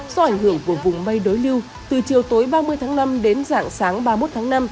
do ảnh hưởng của vùng mây đối lưu từ chiều tối ba mươi tháng năm đến dạng sáng ba mươi một tháng năm